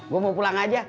gua mau pulang aja